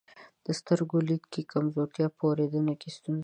د سترګو لید کې کمزورتیا، په اورېدنه کې ستونزه،